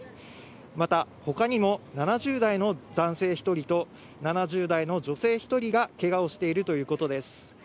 またほかにも７０代の男性１人と７０代の女性１人がけがをしているということです。